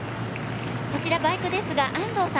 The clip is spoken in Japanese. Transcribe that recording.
こちら、バイクですが安藤さん